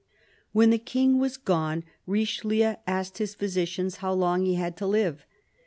When the King was gone, Richelieu asked his physicians how long he had to live.